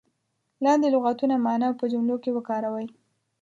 لاندې لغتونه معنا او په جملو کې وکاروئ.